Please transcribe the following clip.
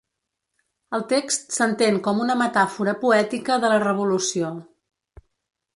El text s’entén com una metàfora poètica de la revolució.